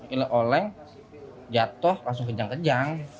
ini oleng jatuh langsung kejang kejang